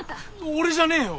俺じゃねえよ！